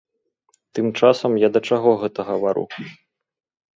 Тым часам я да чаго гэта гавару?